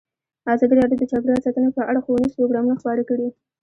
ازادي راډیو د چاپیریال ساتنه په اړه ښوونیز پروګرامونه خپاره کړي.